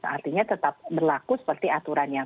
artinya tetap berlaku seperti aturan yang